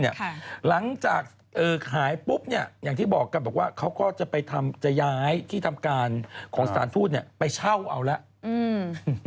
หลังจากขายปุ๊บเนี่ยอย่างที่บอกกันบอกว่าเขาก็จะไปทำจะย้ายที่ทำการของสถานทูตไปเช่าเอาแล้ว